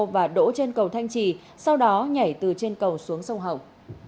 và đỗ trên cầu thanh trì sau đó nhảy từ trên cầu xuống sông hồng